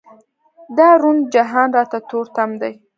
دا روڼ جهان راته تور تم دی.